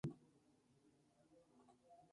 En la conservación, Mr.